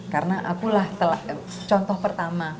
karena akulah contoh pertama